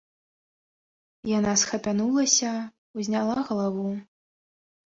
Яна схапянулася, узняла галаву.